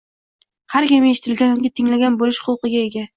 Har kim eshitilgan yoki tinglangan bo‘lish huquqiga ega.